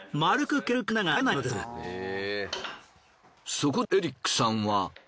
そこでエリックさんは。